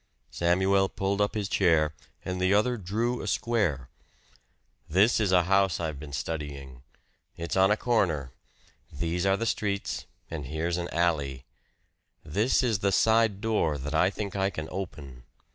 Samuel pulled up his chair and the other drew a square. "This is a house I've been studying. It's on a corner these are streets, and here's an alley. This is the side door that I think I can open.